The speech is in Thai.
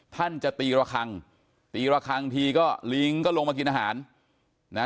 ท่านจะตีระคังตีละครั้งทีก็ลิงก็ลงมากินอาหารนะ